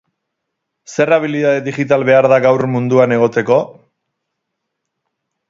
Zer abilidade digital behar da gaur munduan egoteko?